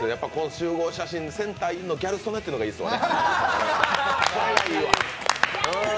集合写真のセンターにいるのがギャル曽根っていうのがいいですね。